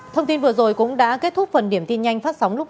thông tin vừa rồi cũng đã kết thúc phần điểm tin nhanh phát sóng lúc hai mươi h